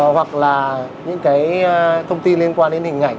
hoặc là những cái thông tin liên quan đến hình ảnh